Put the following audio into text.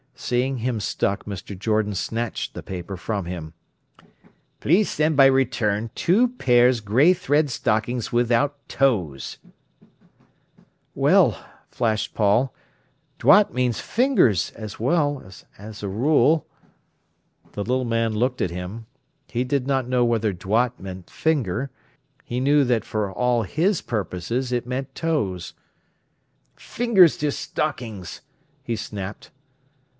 Seeing him stuck, Mr. Jordan snatched the paper from him. "'Please send by return two pairs grey thread stockings without toes.'" "Well," flashed Paul, "'doigts' means 'fingers'—as well—as a rule—" The little man looked at him. He did not know whether "doigts" meant "fingers"; he knew that for all his purposes it meant "toes". "Fingers to stockings!" he snapped.